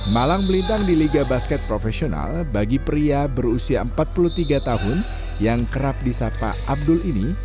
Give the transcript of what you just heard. malang melintang di liga basket profesional bagi pria berusia empat puluh tiga tahun yang kerap disapa abdul ini